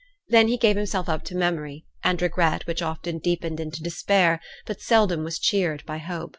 Then he gave himself up to memory, and regret which often deepened into despair, and but seldom was cheered by hope.